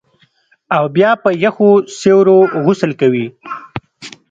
او بیا په یخو سیورو غسل کوي